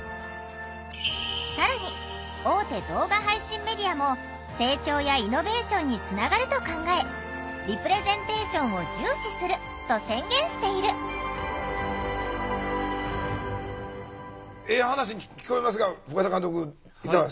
更に大手動画配信メディアも成長やイノベーションにつながると考えリプレゼンテーションを重視すると宣言しているええ話に聞こえますが深田監督いかがですか？